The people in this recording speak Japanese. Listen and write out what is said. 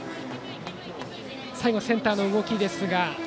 最後センターの動きですが。